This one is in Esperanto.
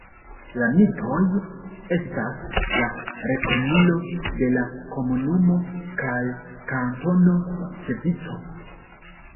La Mitoj estas la rekonilo de la komunumo kaj kantono Ŝvico.